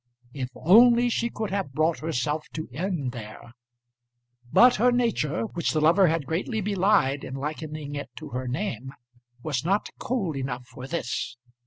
If only she could have brought herself to end there! But her nature, which the lover had greatly belied in likening it to her name, was not cold enough for this.